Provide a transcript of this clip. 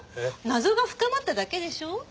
謎が深まっただけでしょ？